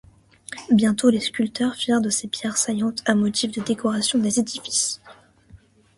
Bientôt les sculpteurs firent de ces pierres saillantes un motif de décoration des édifices.